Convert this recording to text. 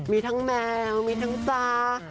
มีทั้งแมวมีทั้งจ้า